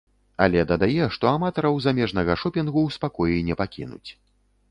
Але дадае, што аматараў замежнага шопінгу ў спакоі не пакінуць.